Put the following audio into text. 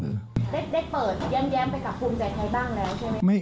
ได้เปิดแย้มไปกับภูมิใจไทยบ้างแล้วใช่ไหม